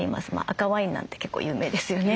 赤ワインなんて結構有名ですよね。